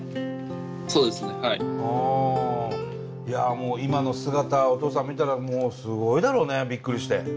いやもう今の姿お父さん見たらもうすごいだろうねびっくりして。